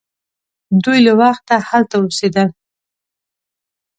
دوی له وخته هلته اوسیدل.